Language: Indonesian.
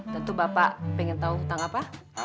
tentu bapak ingin tahu hutang apa